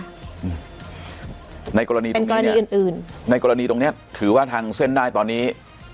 เป็นกรณีอื่นในกรณีตรงเนี้ยถือว่าทางเส้นได้ตอนนี้